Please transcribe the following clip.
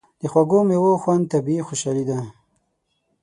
د خوږو میوو خوند طبیعي خوشالي ده.